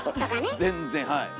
全然はい。